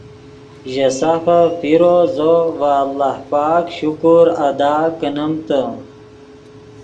ژے سافف پیرو زو ڤے اللہ پاک شکر ادا کنیمتے